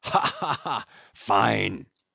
ha! ha! Fine .